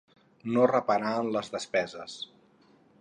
No reparar en les despeses.